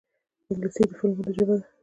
انګلیسي د فلمونو ژبه ده